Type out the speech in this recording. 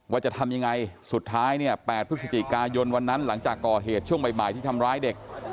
ว่าจะทำยังไงสุดท้ายเนี่ย๘พฤศจิกายนวันนั้นหลังจากก่อเหตุช่วงบ่ายที่ทำร้ายเด็ก